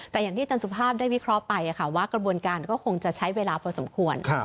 แต่อย่างที่อาจารย์สุภาพได้วิเคราะห์ไปว่ากระบวนการก็คงจะใช้เวลาพอสมควร